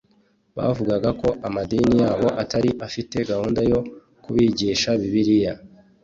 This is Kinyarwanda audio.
bavugaga ko amadini yabo atari afite gahunda yo kubigisha bibiliya